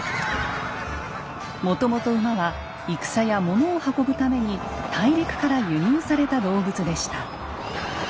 もともと馬は戦や物を運ぶために大陸から輸入された動物でした。